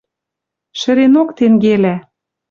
Шӹренок тенгелӓ